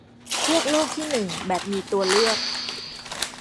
พวกโลกที่หนึ่งแบบมีตัวเลือก